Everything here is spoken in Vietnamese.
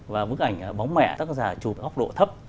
và bức ảnh bóng mẹ tác giả chụp góc độ thấp